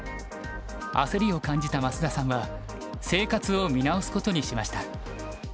焦りを感じた増田さんは生活を見直すことにしました。